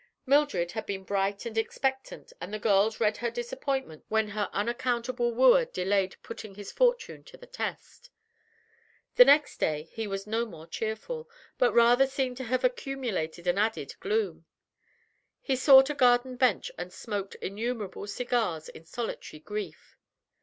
Mildred had been bright and expectant and the girls read her disappointment when her unaccountable wooer delayed putting his fortune to the test. The next day he was no more cheerful, but rather seemed to have accumulated an added gloom. He sought a garden bench and smoked innumerable cigars in solitary grief.